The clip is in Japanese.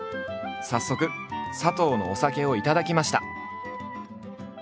早速佐藤のお酒を頂きました。